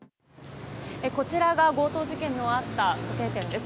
こちらが強盗事件のあった時計店です。